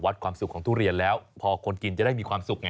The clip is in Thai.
ความสุขของทุเรียนแล้วพอคนกินจะได้มีความสุขไง